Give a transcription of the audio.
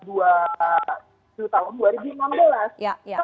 dan selama kepemimpinannya pak anies sebagai gubernur tki jakarta